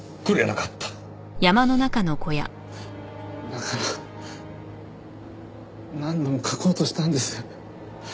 だから何度も書こうとしたんです。